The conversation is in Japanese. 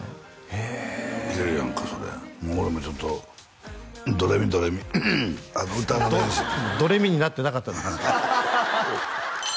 へえええやんかそれ俺もちょっとドレミドレミドレミになってなかったです